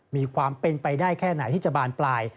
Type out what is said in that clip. มีความเป็นไปได้แค่ไหนที่จะบานปลาย